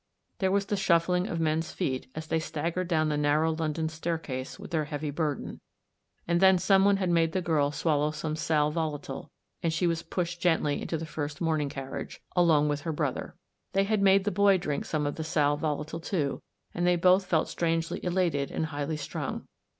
There was the shuffling of men's feet, as they stag gered down the narrow London staircase with their heavy burden, and then someone had made the girl swallow some sal volatile, and she was pushed gently into the first mourning carriage, along with Jim. They had made the boy drink some of the sal volatile too, and they both felt strangely elated and highly strung.